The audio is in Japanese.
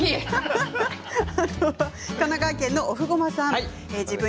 神奈川県の方です。